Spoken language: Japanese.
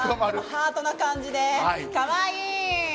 ハートな感じで、可愛い！